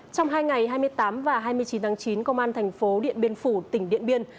trong hai ngày hai mươi tám và hai mươi chín tháng chín công an thành phố điện biên phủ tỉnh điện biên